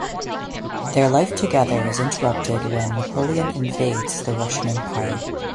Their life together is interrupted when Napoleon invades the Russian Empire.